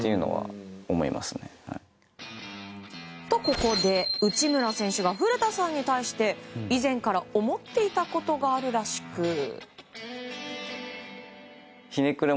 と、ここで内村選手が古田さんに対して以前から思っていたことがあるらしく。